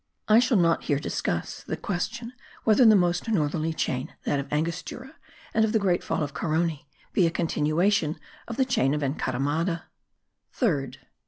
I shall not here discuss the question whether the most northerly chain, that of Angostura and of the great fall of Carony, be a continuation of the chain of Encaramada. Third.